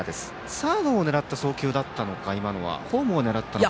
サードを狙った送球だったのかホームを狙ったのか。